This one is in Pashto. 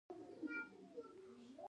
ثبات نه لرو، تنها قهر او چاپلوسي لرو.